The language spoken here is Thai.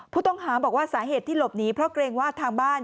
ผู้ต้องหาบอกว่าสาเหตุที่หลบหนีเพราะเกรงว่าทางบ้าน